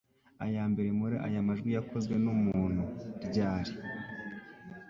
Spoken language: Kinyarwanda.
iyambere muri aya majwi yakozwe n'umuntu; ryari